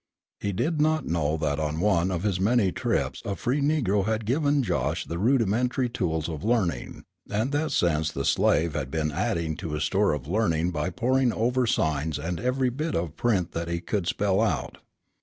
He did not know that on one of his many trips a free negro had given Josh the rudimentary tools of learning, and that since the slave had been adding to his store of learning by poring over signs and every bit of print that he could spell out.